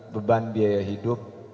beban biaya hidup